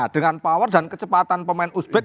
dengan power dan kecepatan pemain uzbek